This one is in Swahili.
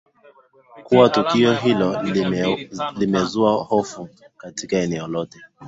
kuwa tukio hilo limezua hofu katika eneo lote